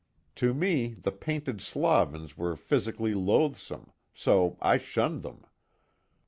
To me the painted slovens were physically loathsome, so I shunned them.